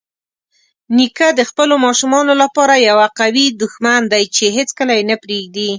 نیکه د خپلو ماشومانو لپاره یوه قوي دښمن دی چې هیڅکله یې نه پرېږدي.